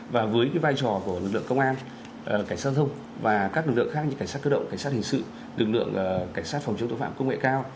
và với vai trò của lực lượng công an cảnh sát giao thông và các lực lượng khác như cảnh sát cơ động cảnh sát hình sự lực lượng cảnh sát phòng chống tội phạm công nghệ cao